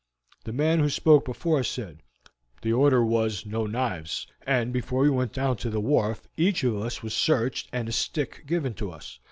The man who spoke before said: "The order was 'No knives,' and before we went down to the wharf each of us was searched and a stick given to us.